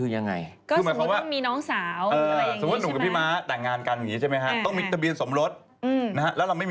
อ๋อยน้องท้องให้ไม่ติดต้องใช่ไหม